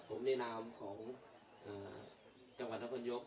ผมแนะนำของจังหวัดนครรภ์นโยค